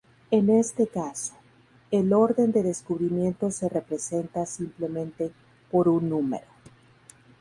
En este caso, el orden de descubrimiento se representa simplemente por un número.